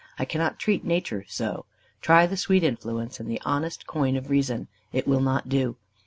I cannot treat nature so. Try the sweet influence, and the honest coin of reason. It will not do.